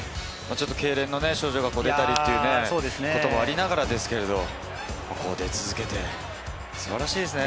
けいれんの症状が出たりということもありながらですけれども、続けて素晴らしいですね。